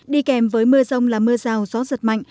đi kèm với mưa rông là mưa rào gió giật mạnh